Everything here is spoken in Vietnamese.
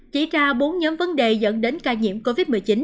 chỉ ra bốn nhóm vấn đề dẫn đến ca nhiễm covid một mươi chín